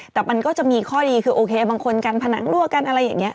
แต่มันก็จะมีข้อดีคือโอเคบางคนกันผนังรั่วกันอะไรอย่างนี้